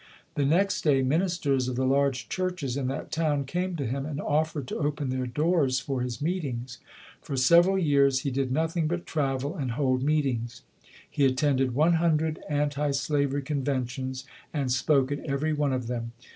The next day ministers of the large churches in that town came to him and offered to open their doors for his meetings. For several years he did nothing but travel and hold meetings. He attended one hundred anti slavery conventions and spoke at every one of them.